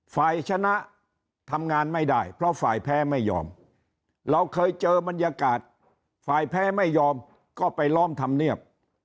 ฝ่ายชนะทำงานไม่ได้เพราะฝ่ายแพ้ไม่ยอมเราเคยเจอบรรยากาศฝ่ายแพ้ไม่ยอมก็ไปล้อมธรรมเนียบ